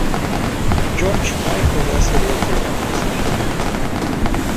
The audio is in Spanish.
George Michael hace dueto en la canción.